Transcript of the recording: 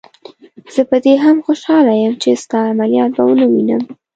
زه په دې هم خوشحاله یم چې ستا عملیات به ونه وینم.